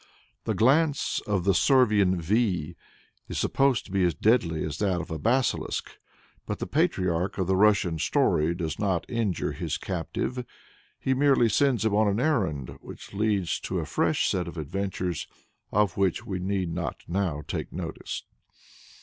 The glance of the Servian Vy is supposed to be as deadly as that of a basilisk, but the patriarch of the Russian story does not injure his captive. He merely sends him on an errand which leads to a fresh set of adventures, of which we need not now take notice.